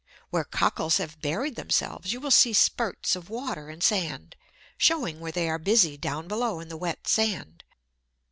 Where Cockles have buried themselves you will see spurts of water and sand, showing where they are busy down below in the wet sand.